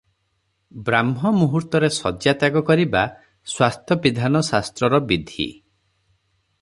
ବ୍ରାହ୍ମମୁହୂର୍ତ୍ତରେ ଶଯ୍ୟାତ୍ୟାଗ କରିବା ସ୍ୱାସ୍ଥ୍ୟ - ବିଧାନ ଶାସ୍ତ୍ରର ବିଧି ।